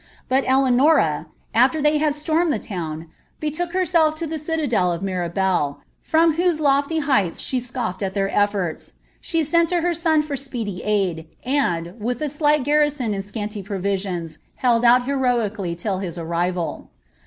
But Eleanora, after they had stormed the (own, beraelf lo the cit&del of Mirabel, from whose loAy heights she ■t their ellbrta; she ecat to her son fur speedy aid, and, with a jfiiaaa and scanty provisions, held out heroically till his arrival.